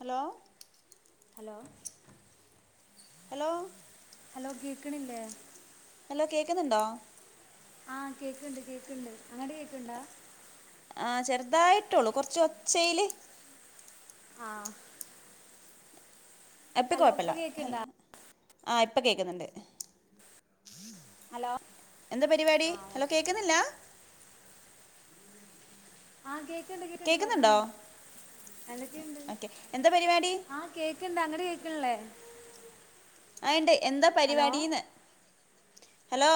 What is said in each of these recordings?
Hello hello hello hello കേക്ക്‌ണില്ലേ hello കേക്ക്‌ന്നുണ്ടോ ആഹ് കേക്ക്‌ൺണ്ട് കേക്ക്‌ൺണ്ട് അങ്ങട്ട് കേക്ക്‌ൺണ്ടാ ആഹ് ചെറുതായിട്ടൊള്ളൂ കൊറച്ച് ഒച്ചയില് ആഹ് എപ്പ ഹലോ കൊയപ്പില്ല ഇപ്പൊ അല്ല കേക്കുണ്ടാ ആഹ് ഇപ്പം കേക്ക്‌ന്നുണ്ട് ഹലോ എന്താ പരിപാടി ആ ഹലോ ഓക്കെ കേക്ക്‌ന്നില്ലാ ആഹ് കേക്കൺണ്ട് കേക്കൺണ്ട് കേൾക്കുന്നുണ്ടോ പറഞ്ഞോളീ എന്തൊക്കെയുണ്ട് ഓക്കെ എന്താ പരിപാടി ആഹ് കേക്കൺണ്ടാ അങ്ങട് കേക്കണില്ലേ ആഹ് ഇണ്ട് എന്താ ഹലോ പരിപാടീന്ന് ഹലോ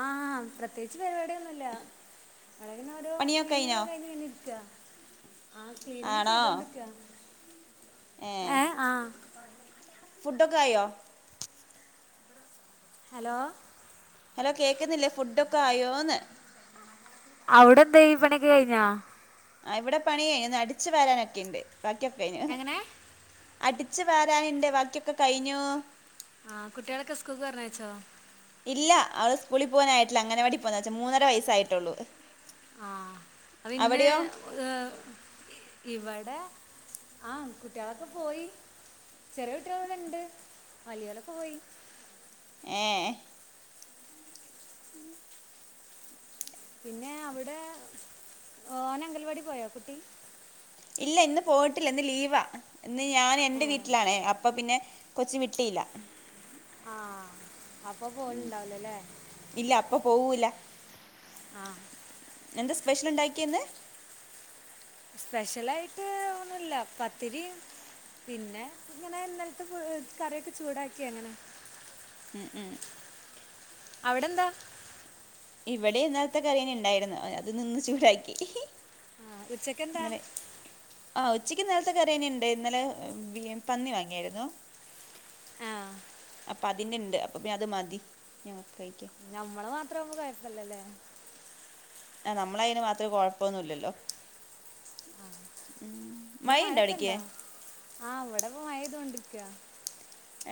ആഹ് പ്രത്യേകിച്ച് പരിപാടിയൊന്നുംല്ല ഞാനിങ്ങനോരൊ പണിയൊക്കെ കഴിഞ്ഞോ ക്ലിനിങ്ങക്കെ കഴിഞ്ഞിങ്ങനിരിക്ക്യാ ആഹ് ക്ലീനിങ്ങ് ആണോ ചെയ്തോണ്ട്നിക്കാ ഏഹ് ആഹ് ഫുഡൊക്കായോ ഹലോ ഹലോ കേക്ക്‌ന്നില്ലേ ഫുഡൊക്കെ ആയോന്ന് അവിടെന്തായി പണിക്കെ കഴിഞ്ഞാ ആഹ് ഇവിടെ പണി ഒന്നടിച്ച് വരാനൊക്കെണ്ട് ബാക്കിയൊക്കെ കയ്ഞ്ഞ് എങ്ങനേ അടിച്ച് വാരാനിണ്ട് ബാക്കിയൊക്കെ കഴിഞ്ഞൂ ആഹ് കുട്ടികളെക്കെ സ്കൂൾക്ക്‌ പറഞ്ഞയച്ചോ ഇല്ല അവള് സ്കൂളി പോകാനായിട്ടില്ല അങ്ങനവാടി പോന്ന കൊച്ചാ മൂന്നര വയസ്സായിട്ടൊള്ളൂ ആഹ് അപ്പ്ന്ന് ഏഹ് ഇവിടെ ആഹ് കുട്ടികളൊക്കെ പോയി ചെറിയ കുട്ടികളിവിട്ണ്ട് വലിയോരോക്കെ പോയി ഏഹ് പിന്നേ അവിടേ ഓനങ്കൽവാടി പോയോ കുട്ടി ഇല്ല ഇന്ന് പോയിട്ടില്ല ഇന്ന് ലീവാ ഇന്ന് ഞാൻ ഏ എന്റെ വീട്ടിലാണേ അപ്പ പിന്നെ കൊച്ച് വിട്ടീല്ല ആഹ് അപ്പൊ പോവല്ണ്ടാവൂലല്ലേ ഇല്ല അപ്പ പോവൂലാ ആഹ് എന്താ സ്പെഷ്യല്ണ്ടാക്കിയെ ഇന്ന് സ്പെഷ്യലായിട്ട് ഒന്നൂല്ല പത്തിരിം പിന്നെ ഇങ്ങനെ ഇന്നലത്തെ പ് കറിയൊക്കെ ചൂടാക്കി അങ്ങനെ ഉം ഉം അവിടെന്താ ഇവിടേം ഇന്നലത്തെ കറിയന്നെ ഇണ്ടായിരുന്നു അ അതിന്ന്ന്ന് ചൂടാക്കി ആഹ് ഉച്ച ഇന്നലെ ആഹ് ഉച്ചക്ക് ഇന്നൽത്തെ കറിനെ ഉണ്ട് ഇന്നലെ പന്നി വാങ്ങിയായിരുന്നു. ആഹ്. അപ്പതിന്ന്ണ്ട് അപ്പം പിന്നെ അത് മതി ഞങ്ങക്ക് കഴിക്ക്യാൻ. ഞ്ഞമ്മള് മാത്രവുമ്പൊ കൊഴപ്പല്ലല്ലേ. ആഹ് നമ്മളയ്ന് മാത്രേ കൊഴപ്പൊന്നുല്ലല്ലോ. ഉം മയ്ണ്ട അവിടക്കെ. ആഹ് ഇവടെപ്പൊ മയയ്തുകൊണ്ട്ക്ക.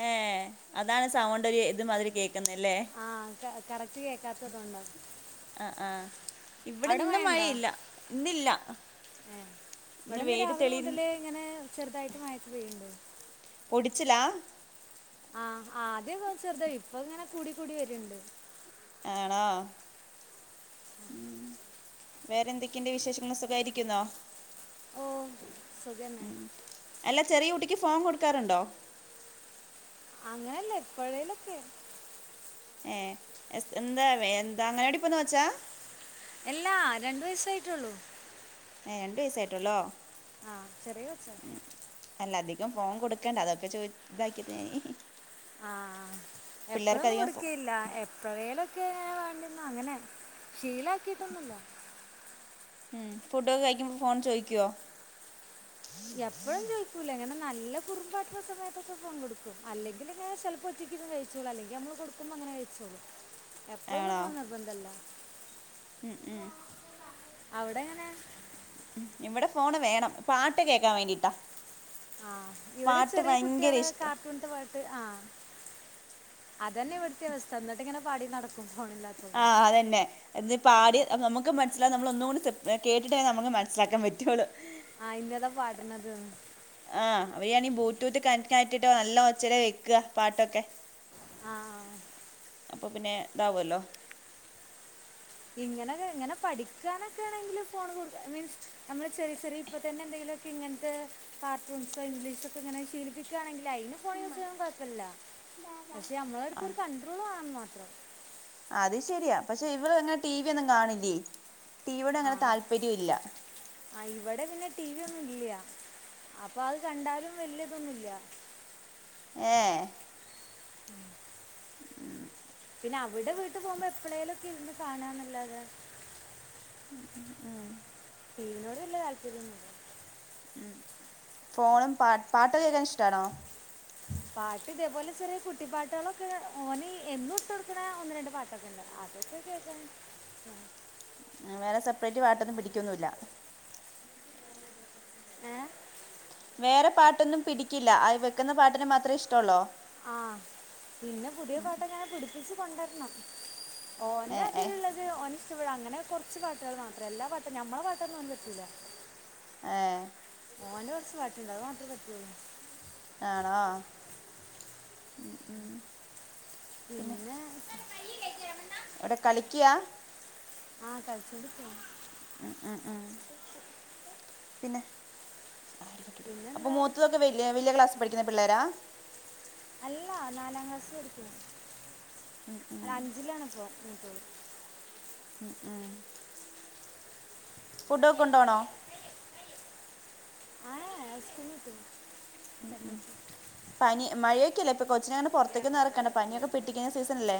ഏഹ് അതാണ് സൗണ്ട് ഒരു ഇത് മാതിരി കേക്കുന്നല്ലേ. ആഹ് ക കറക്റ്റ് കേക്കാത്തതുകൊണ്ട. അ ആഹ് ഇവിടെന്ന് മഴയില്ല ഇന്നില്ല. ഏ ഇവിടെ ഇന്ന് വെയില് രാവിലെ തെളി മുതൽ ഇങ്ങനെ ചെർതായിട്ട് മയക്കെ പെയ്യ്ണ്ട്. പൊടിച്ചിലാ ആഹ് ആദ്യൊക്കെ ചെർതയ് ഇപ്പങ്ങനെ കൂടി കൂടി വരുണ്ട്. ആണോ. ഉം വേറെന്തൊക്കെണ്ട് വിശേഷങ്ങൾ സുഖായിരിക്കുന്നോ. ഓ സുഖന്നെ. അല്ല ചെറിയ കുട്ടിക്ക് ഫോം കൊടുക്കാറുണ്ടോ. അങ്ങനെല്ല എപ്പഴേലൊക്കെ. ഏഹ് എസ് എന്താ വെ എന്ത അങ്ങാനവാടിപ്പോന്ന കൊച്ചാ. എല്ലാ രണ്ട് വയസ്സായിട്ടുള്ളൂ. ഏഹ് രണ്ട് വയസ്സായിട്ടൊള്ളോ. ആഹ് ചെറിയ കൊച്ചാ. അല്ല അധികം ഫോൺ കൊടുക്കണ്ട അതൊക്കെ ചോ ഇതാക്കിയത്. ആഹ് പിള്ളേർക്ക് എപ്പഴൊന്നും അധികം ഫോ കൊടുക്കയില്ല എ പ്പഴേലൊക്കെ വേണ്ടുന്ന അങ്ങനെ ശീലാക്കിട്ടൊന്നുല്ല. ഉം ഫുഡൊക്കെ കഴിക്കുമ്പൊ ഫോൺ ചോയ്ക്ക്യോ. എപ്പഴും ചോയ്ക്കൂല ഇങ്ങനെ നല്ല കുറുംബാട്ട്ണ സമയത്തൊക്കെ ഫോൺ കൊടുക്കും അല്ലെങ്കില്ങ്ങനെ ചെൽ പൊറ്റിക്കിര്ന്ന് കഴിച്ചോളു അല്ലെങ്കി നമ്മള് കൊടുക്കുമ്പങ്ങനെ കഴിച്ചോളു എപ്പഴൊന്നും ഫോൺ നിർബന്ധല്ല. ഉം ഉം. അവ്ടെങ്ങനെ. ഉം ഇവിടെ ഫോണ് വേണം പാട്ട് കേക്കാൻ വേണ്ടിട്ടാ. ആഹ് ഇവിടെ ചെറിയ ഭയങ്കര കുട്ട്യാള് ഇഷ്ടം കാർട്ടൂൺത്തെ വ ത്ത് ആഹ് അതന്നെ ഇവട്ത്തി അവസ്ഥ എന്നിട്ട്ങ്ങനെ പാടി നടക്കും ഫോണില്ല ആഹ് അതന്നെ ഇത് പാടി നമ്മക്ക് മൻ സില നമ്മളൊന്നു കൂടി സെപ് എ കേട്ടിട്ടേ നമക്ക് മനസിലാക്കൻ പറ്റുള്ളൂ. ആഹ് ഇന്നതാ പാട്ണതന്ന്. ആഹ് അവയാണി ബൂടൂത്ത് കണകറ്റിട്ടോ നല്ല ഒച്ചരെ വെക്ക പാട്ടൊക്കെ. ആഹ് ആഹ്. അപ്പൊ പിന്നെ ഇതാവ്വല്ലോ. ഇങ്ങനകെ ഇങ്ങനെ പഠിക്കാനൊക്കെണെങ്കില് ഫോണ് കൊടുക്ക മീൻസ് നമ്മള് ചെറി ചെറി ഇപ്പ തന്നെ എന്തെങ്കിലൊ ക്കെങ്ങൻത്തെ കാർട്ടൂൺസോ ഇംഗ്ലീഷൊക്കെങ്ങനെ ശീലിപ്പിക്കാണെങ്കില് അയ്നു ഫോൺ യൂസ്ചെയ്യൻ കൊയ്പ്പല്ല പക്ഷെ ആ നമ്മളെട്ത്തരു കണ്ട്രോൾ വേണന്ന് മാത്രം. അത് ശരിയാ പക്ഷെ ഇവള് അങ്ങനെ ടി വി ഒന്നും കാണില്ലേ ടിവിയോട് ആ അങ്ങനെ താല്പര്യം ഇല്ല. ആ ഇവിടെ പിന്നെ ടി വി ഒന്നും ഇല്ല അപ്പൊ അത് കണ്ടാലും വലിയതൊന്നും ഇല്ല ഏ പിന്നെ അവിടെ വീട്ടിൽ പോകുമ്പോ എപ്പോഴേലും ഒക്കെ ഇരുന്ന് കാണാന്നല്ലാതെ ഉം ടി വി നോട് വല്ല്യ താല്പര്യം ഒന്നുല്ല്യ ഉം ഫോണും പ പാട്ടൊക്കെ കേൾക്കാൻ ഇഷ്ടാണോ പാട്ട് ഇതേപോലെ ചെറിയ കുട്ടിപ്പാട്ടുകളൊക്കെ ഓൻ എന്നും ഇട്ടുകൊടുക്കുന്ന ഒന്ന് രണ്ട് പാട്ടൊക്കെ ഉണ്ട് അത് [unintelligible] വേറെ സെപ്പറേറ്റ് പാട്ടൊന്നും പിടിക്കൊന്നുല്ല ഏഹ് വേറെ പാട്ടൊന്നും പിടിക്കില്ല അത് വെക്കുന്ന പാട്ടിനെ മാത്രമേ ഇഷ്ടള്ളോ ആഹ് പിന്നെ പുതിയ പാട്ട് അങ്ങനെ പിടിപ്പിച്ച് കൊണ്ട് വരണം ഏ ഓന്റെ ഏ ഇതിലുള്ള ഓന് ഇഷ്ടപെടും അങ്ങനെ കുറച്ചു പാട്ടുകൾ മാത്രം എല്ലാ പാട്ടും ഞമ്മളെ പാട്ടൊന്നൊന്നും ഓൻക്ക് പറ്റൂല ഏ ഓന്റെ കുറച്ച് പാട്ടുണ്ട് അത് മാത്ര പറ്റുള്ളൂ ആണോ ഉം പിന്നെ എവിടെ കളിക്കുക ആഹ് കഴിച്ചോണ്ട്ക്കാണ് ഉം ഉം ഉം പിന്നെ അപ്പൊ പിന്നെന്താ മൂത്ത വലിയ വലിയ ക്ലാസ്സിൽ പഠിക്കുന്ന പിള്ളേരാ അല്ല നാലാം ക്ലാസിൽ പഠിക്ക്ണ് ഉം ഉം അഞ്ചിലാണി ഇപ്പം മൂത്ത അ ആഹ് ഫുഡൊക്കെ കൊണ്ടോണോ ഏ ഏ സ്കൂളിൽ നിന്ന് കിട്ടും ഉം ഉം പനി മഴയൊക്കെല്ലേ ഇപ്പൊ കൊച്ചിനെ പൊറത്തേക്കൊന്നും എറക്കണ്ട പനിയൊക്കെ പിടിക്കുന്ന സീസണല്ലേ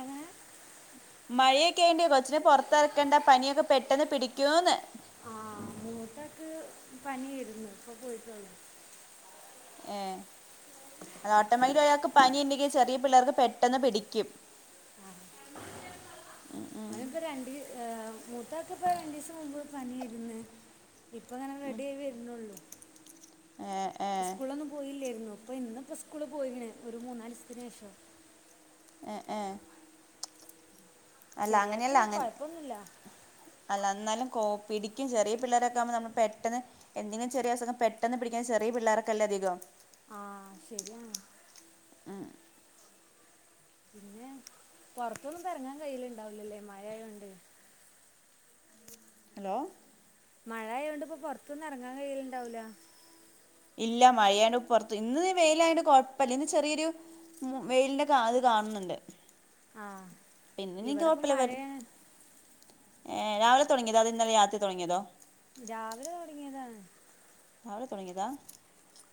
എങ്ങനെ മഴയൊക്കെ ഉണ്ട് കൊച്ചിനെ പൊറത്തിറക്കണ്ട പനിയൊക്കെ പെട്ടന്ന് പിടിക്കൂന്ന് ആഹ് മൂത്താക്ക് പനിയേരുന്നു ഇപ്പൊ പോയിട്ടൊള്ളു ഏ അത് ഓട്ടോമയ്ല് ഒരാൾക്ക് പനി ഇണ്ടെങ്കി ചെറിയ പിള്ളേർക്ക് പെട്ടെന്ന് പിടിക്ക്യും അഹ് ഇപ്പൊ രണ്ടീസ മൂത്താൾക്ക് ഇപ്പ രണ്ടീസം മുമ്പ് പനിിആയിര്ന്ന്. ഇപ്പങ്ങനെ റെഡി ആയി വെര്നൊള്ളു ഏ ഏ സ്കൂൾ നൊന്നും പോയില്ലായിരുന്നൊ ഇപ്പൊ ഇന്നിപ്പൊ സ്കൂള് പോയിര്ന്ന് ഒരു മൂന്നാല് ദിവസത്തിന് ശേഷം. എ ഏ അല്ല ചെറിയാൾക്ക് അങ്ങനെയല്ല അങ്ങൻ കുഴപ്പമൊന്നുമില്ല അല്ല. ന്നാലും കോ പിടിക്യും ചെറിയ പിള്ളാരക്കെ ആവുമ്പം നമ്മള് പെട്ടന്ന് എന്തെങ്കിലും ചെറിയസുഖം പെട്ടെന്ന് പിടിക്ക്‌ന്നെ ചെറിയ പിള്ളാർക്കല്ലേ ധികം. ആ ശെരിയാണ് പിന്നെ പുറത്തൊന്നും കറങ്ങാൻ കയ്യൽ ഇണ്ടാവൂലല്ലേ മഴ ആയൊണ്ട്? ഹലോ മഴ ആയോണ്ട് ഇപ്പോ പൊറത്തൊന്നും ഇറങ്ങാൻ കയ്യലിണ്ടാവൂല. ഇല്ല മഴയാണ്. പുറത്ത് ഇന്ന് ദേ വെയിലായോണ്ട് കൊഴപ്പല്ല. ഇന്ന് ചെറിയൊരു വെയിലിന്റെ കാ അത് കാണുന്നുണ്ട്. ആ പിന്നെനിക്ക് ഇവിടെ ഇപ്പം കൊഴപ്പില്ല വെര് മഴയാണ് ഏഹ് രാവിലെ തൊടങ്ങിയതാ അത് ഇന്നലെ രാത്രി തൊടങ്ങിയതോ? രാവിലെ തൊട്ങ്ങിയതാണ്. രാവിലെ തൊടങ്ങിയതാ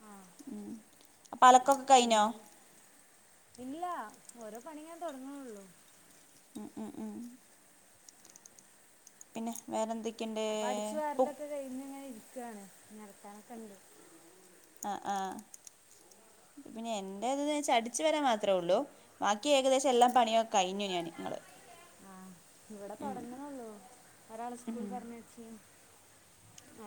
ആ ഉം അപ്പൊ അലക്കൊക്കെ കഴിഞ്ഞോ? ഇല്ലാ ഓരോ പണി ഇങ്ങനെ തൊട്ങ്ങ്ണൊള്ളു. ഉം ഉം ഉം പിന്നെ വേറെന്തൊക്കെണ്ട്? ഇപ്പ അടിച്ച് വാരലക്കെ കഴിഞ്ഞ് ഇങ്ങനെ ഇരിക്കാണ് ഇഞ് അലക്കാനൊക്കെണ്ട് ആഹ് ആഹ് പിന്നെ എന്റേത് വെച്ചാ അടിച്ചു വരാൻ മാത്രേ ഉള്ളൂ. ബാക്കി ഏകദേശം എല്ലാം പണിയോക്കയിഞ്ഞു ഞാൻ ങ്ങള് ആ ഇവ്ടെ തൊട്ങ്ങ്ണൊള്ളൂ ഒരാളെ സ്കൂൾ പർഞ്ഞയ്ച്ച്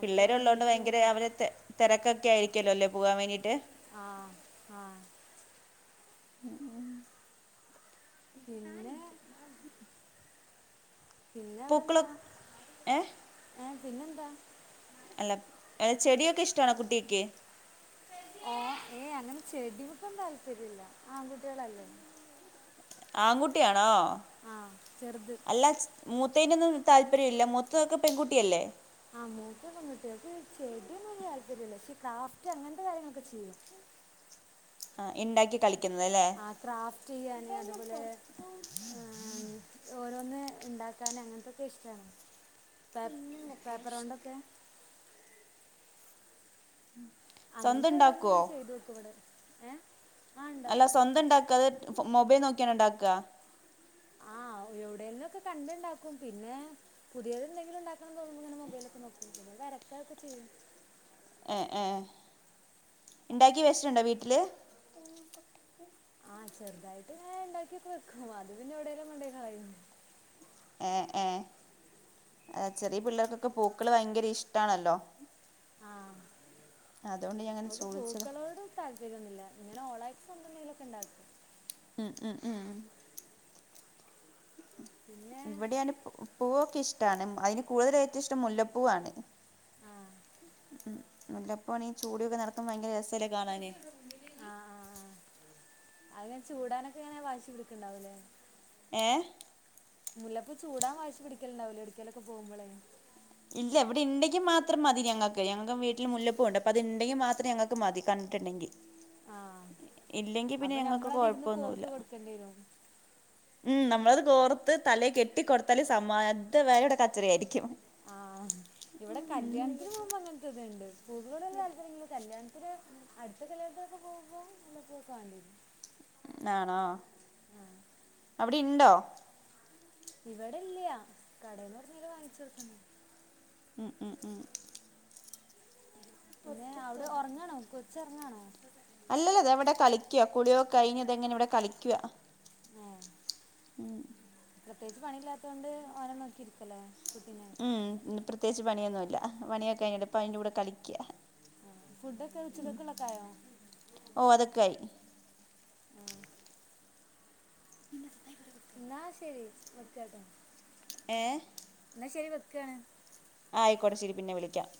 പിള്ളേരൊള്ളോണ്ട് ഭയങ്കര അവര് തെ തെരക്കക്കെ ആയിരിക്കല്ലോ ല്ലേ പോവാൻ വേണ്ടീട്ട്. ആഹ് ആഹ് [unintelligible] പിന്നെ പിന്നെ പൂക്കളൊ അവ്ടെന്താ ഏ ഏ പിന്നെന്താ? അല്ല. ഏഹ് ചെടിയക്കെ ഇഷ്ട്ടാണോ കുട്യേക്ക്. ആഹ് ഏയ് അങ്ങനെ ചെടി മക്കൊന്നും താല്പര്യല്ല. ആങ്കുട്യളല്ലേ. ആങ്കുട്ടിയാണോ? ആഹ് ചെർത്. അല്ല മുത്തേനൊന്നും താല്പര്യമില്ല. മൂത്തതൊക്കെ പെൺകുട്ടിയല്ലേ? ആഹ് മൂത്ത പെൺകുട്ട്യാ ഓൾക്ക് ചെടിയൊന്നും വല്ല്യ താല്പര്യല്ല പക്ഷേ ക്രാഫ്റ്റ് അങ്ങൻത്തെ കാര്യങ്ങളൊക്കെ ചെയ്യും ആഹ് ഇണ്ടാക്കി കളി ആഹ് ക്രാഫ്റ്റയ്യാന്. അതുപോലെ ഏഹ് ഓരോന്ന് ഇണ്ടാക്കാന് അങ്ങൻത്തൊക്കെ ഇഷ്ട്ടാണ് പേ പേപ്പറ് കൊണ്ടൊക്കെ സ്വന്തം അങ്ങനത്തെ ഓരോന്ന് ഉണ്ടാക്കുവോ ഇങ്ങനെ ചെയ്തോക്കും ഇവടെ അല്ല സ്വന്തം ഉണ്ടാക്കാത്? മൊബൈൽ നോക്ക്യാണോ ഉണ്ടാക്കാ? ആഹ് എവിടെങ്കിലും ഒക്കെ കണ്ട് ഇണ്ടാക്കും പിന്നെ പുതിയത് എന്തെങ്കിലും ഉണ്ടാക്കണന്ന് തോന്ന്മ്പൊ ഇങ്ങനെ മൊബൈ ലൊക്കെ നോക്കും വരക്ക അതൊക്കെ ചെയ്യും ഏ ഏ ഇണ്ടാക്കി വച്ചിട്ടുണ്ടോ വീട്ടിൽ ആഹ് ചെറുതായിട്ട് ഇങ്ങനെ ഉണ്ടാക്കി ഒക്കെ വെക്കും അത് പിന്നെ എവിടെലും കൊണ്ടോയി കളയും ഏ ഏ ചെറിയ പിള്ളേർക്കൊക്കെ പൂക്കൾ ഭയങ്കര ഇഷ്ടാണല്ലോ ആഹ് അതുകൊണ്ട് ഞാൻ അങ്ങനെ അവൾക്ക് ചോദിച്ചതാ പൂക്കളോട് താൽപര്യംഒന്നുല്ല ഇങ്ങനെ ഓളായിട്ട് എന്തെങ്കിലും ഒക്കെ ഉണ്ടാക്കും അ അ ആഹ് പിന്നെ ഇവിടെയാണ് പൂവൊക്കെ ഇഷ്ടാണ് അതില് കൂടുതലായിറ്റ് ഇഷ്ടം മുല്ലപ്പൂവാണ് ആ ഉം മുല്ലപൂവാണെ ഈ ചൂടി ഒക്കെ നടക്കുമ്പം ഭയങ്കര രസല്ലേ കാണാന് ആ ആഹ് അങ്ങനെ ചൂടാനൊക്കെ ഇങ്ങനെ വാശി പിടിക്ക് ഇണ്ടാവുംലേ ഏ മുല്ലപ്പൂവ് ചൂടാൻ വാശി പിടിക്കൽ ഇണ്ടാവും ലേ എവിടെങ്കിലും ഒക്കെ പോകുമ്പോളേ ഇല്ല ഇവിടെ ഉണ്ടെങ്കിൽ മാത്രം മതി ഞങ്ങക്ക് ഞങ്ങൾക്ക് വീട്ടിൽ മുല്ലപ്പൂവ് ഉണ്ട് അപ്പൊ അത് ഉണ്ടെങ്കിൽ മാത്രം ഞങ്ങക്ക് മതി കണ്ടിട്ടുണ്ടെങ്കിൽ ആഹ് ഇല്ലെങ്കി പിന്നെ അപ്പൊ ഞങ്ങക്ക് ഞമ്മളതിരുന്ന് കുഴപ്പൊന്നുല്ല [inaudible] ഉം നമ്മളത് കോർത്ത് തല കെട്ടിക്കൊടുത്താല് സമാധ അതുവരെ കച്ചറ ആയിരിക്കും ആഹ് ഇവിടെ കല്യാണത്തിന് മുമ്പ് അങ്ങനത്തെ ഇതുണ്ട് പൊതുക [unintelligible] കല്യാണത്തിന് അടുത്ത കല്ല്യാണത്തിലൊക്കെ പോകുമ്പോൾ നി പോക്കാ [unintelligible] ആണോ അവിടെണ്ടോ? ഇവിടെല്ല്യാ കടെന്ന് പറഞ്ഞല് വാങ്ങിച്ചുടുക്കുന്ന ഉം ഉം ഉം പിന്നെ അവിടെ ഉറങ്ങാണോ കൊച്ചോറങ്ങാണോ? അല്ലല്ല താഇവിടെ കളിക്ക കുളിയോക്കെ കഴിഞ്ഞതെങ്ങനെ ഇവിടെ കളിക്ക ഏഹ് ഉ [inaudible] പ്രത്യേകിച്ച് പണിയില്ലാത്തത് കൊണ്ട് ഓനെ നോക്കിയിരിക്കല കുട്ടീനെ ഉം പ്രത്യേകിച്ച് പണിയൊന്നുല്ല പണിയൊക്കെ കഞ്ഞിട്ട്പ്പോ അതിന്റെ കൂടെ കളിക്ക ഫുഡ്ഡൊക്കെ ഉച്ചക്കക്കുളൊക്കായോ ഓ അതൊക്കയി ന്നാ ശരി വെക്കാട്ടോ ഏഹ് എന്നാ ശരി വെക്കണ് ആ ആയിക്കോട്ട ശരി പിന്നെ വിളിക്കാം